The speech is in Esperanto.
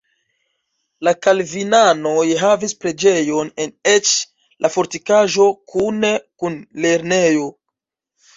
La kalvinanoj havis preĝejon eĉ en la fortikaĵo kune kun lernejo.